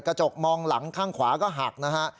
กระจกมองหลังข้างขวาก็หักนะฮะ